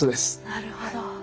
なるほど。